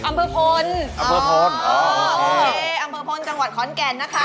อำเภพลจังหวัดข้อนแก่นนะคะ